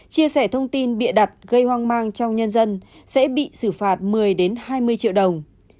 chia sẻ thông tin bịa đặt gây hoang mang trong nhân dân sẽ bị xử phạt một mươi hai mươi triệu đồng